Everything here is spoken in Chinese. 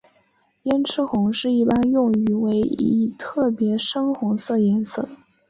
胭脂红是一般用语为一特别深红色颜色。